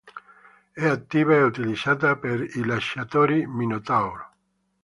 È attiva e utilizzata per i lanciatori Minotaur.